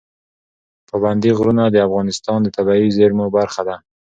پابندی غرونه د افغانستان د طبیعي زیرمو برخه ده.